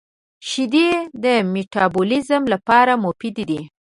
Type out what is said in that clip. • شیدې د مټابولیزم لپاره مفید دي.